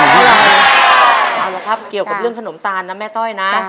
เอาละครับเกี่ยวกับเรื่องขนมตาลนะแม่ต้อยนะ